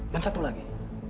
dan satu lagi